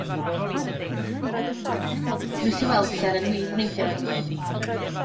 Wnes i weld seren wib neithiwr.